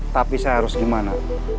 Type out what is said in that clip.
tapi saya harus kemana